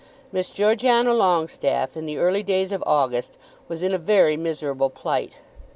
Miss Georgiana Longestaffe in the early days of August was in a very miserable plight.